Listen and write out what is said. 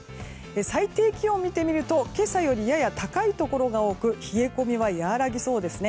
最低気温、見てみると今朝よりやや高いところが多く冷え込みは和らぎそうですね。